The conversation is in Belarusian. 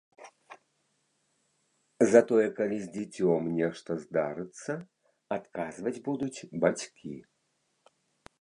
Затое, калі з дзіцём нешта здарыцца, адказваць будуць бацькі.